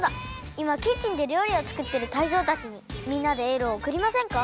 いまキッチンでりょうりをつくってるタイゾウたちにみんなでエールをおくりませんか？